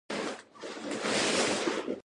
سلام ډاکټر صاحب، څنګه یاست؟